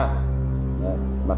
các loại xe dấu